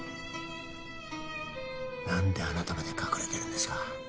何であなたまで隠れてるんですか？